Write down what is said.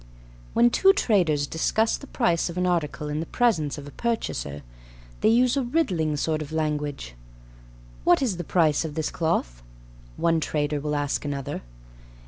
When two traders discuss the price of an article in the presence of a purchaser, they use a riddling sort of language. "What is the price of this cloth?" one trader will ask another.